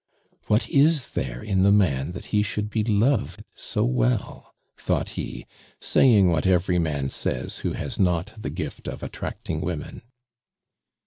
"What is there in the man that he should be loved so well?" thought he, saying what every man says who has not the gift of attracting women.